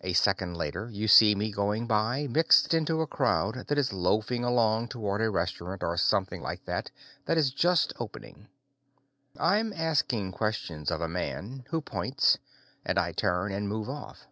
A second later, you see me going by, mixed into a crowd that is loafing along toward a restaurant, or something like it, that is just opening. I'm asking questions of a man, who points, and I turn and move off.